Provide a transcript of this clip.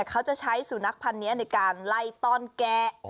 เขาจะใช้สุนัขพันธ์นี้ในการไล่ต้อนแกะ